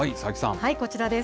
こちらです。